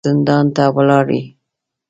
زندان ته ولاړې.